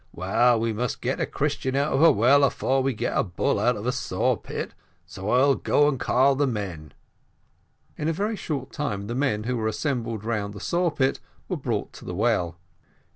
Well, we must get a Christian out of a well afore we get a bull out of a saw pit, so I'll go call the men." In a very short time the men who were assembled round the saw pit were brought to the well.